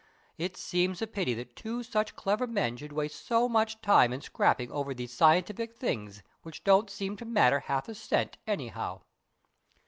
It seems a pity that two such clever men should waste so much time in scrapping over these scientific things, which don't seem to matter half a cent, anyhow."